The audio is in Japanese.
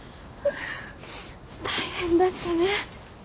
大変だったね。